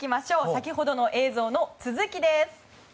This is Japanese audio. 先ほどの映像の続きです。